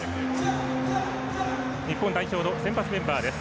日本代表の先発メンバーです。